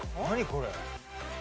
これ。